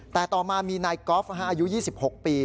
แต่ต่อมามีนายกอล์ฟอายุ๒๖ปี